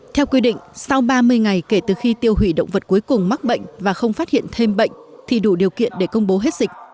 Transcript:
theo quy định sau ba mươi ngày kể từ khi tiêu hủy động vật cuối cùng mắc bệnh và không phát hiện thêm bệnh thì đủ điều kiện để công bố hết dịch